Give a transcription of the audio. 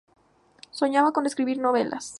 Soñaba con escribir novelas.